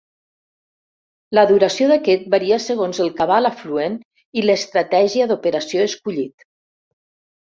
La duració d'aquest varia segons el cabal afluent i l'estratègia d'operació escollit.